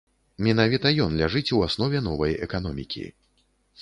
Менавіта ён ляжыць у аснове новай эканомікі.